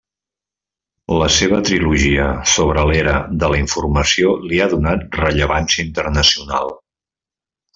La seva trilogia sobre l'era de la informació li ha donat rellevància internacional.